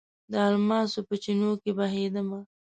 د الماسو په چېنو کې بهیدمه